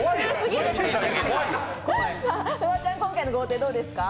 フワちゃん、今回の豪邸どうですか？